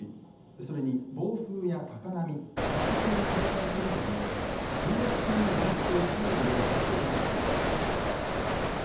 それに、暴風や高波高潮に警戒するとともに不要不急の外出を控えるよう呼びかけています。